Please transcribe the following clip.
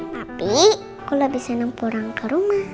tapi aku lebih senang pulang ke rumah